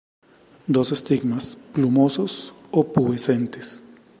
Dos estigmas; plumosos, o pubescentes.